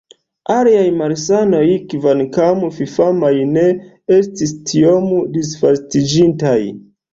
Aliaj malsanoj, kvankam fifamaj, ne estis tiom disvastiĝintaj.